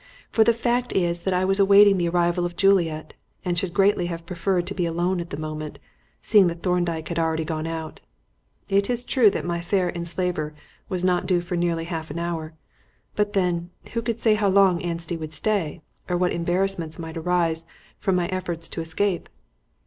For the fact is that I was awaiting the arrival of Juliet, and should greatly have preferred to be alone at the moment, seeing that Thorndyke had already gone out. It is true that my fair enslaver was not due for nearly half an hour, but then, who could say how long Anstey would stay, or what embarrassments might arise from my efforts to escape?